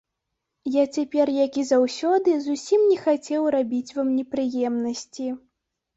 Я цяпер, як і заўсёды, зусім не хацеў рабіць вам непрыемнасці.